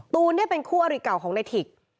ตูนเนี่ยเป็นคู่อริเก่าของในถิก